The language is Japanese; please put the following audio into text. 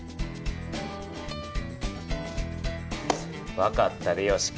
分かったでよし君。